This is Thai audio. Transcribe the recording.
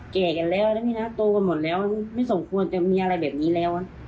แก่กันแล้วนะพี่นะโตกันหมดแล้วไม่สมควรจะมีอะไรแบบนี้แล้วนะ